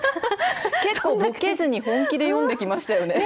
結構、ボケずに本気で詠んできましたよね。